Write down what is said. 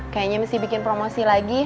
kayaknya mesti bikin promosi lagi